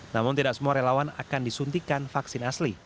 namun tidak semua relawan akan disuntikan vaksin asli